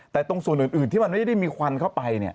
แต่ตรงส่วนอื่นที่มันไม่ได้มีควันเข้าไป